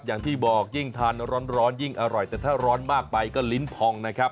อย่างที่บอกยิ่งทานร้อนยิ่งอร่อยแต่ถ้าร้อนมากไปก็ลิ้นพองนะครับ